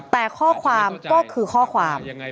แต่ข้อความก็คือข้อความ